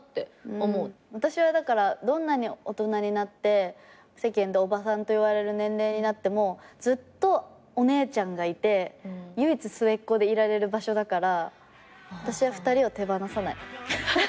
私はだからどんなに大人になって世間で「おばさん」と言われる年齢になってもずっとお姉ちゃんがいて唯一末っ子でいられる場所だから私は２人を手放さない。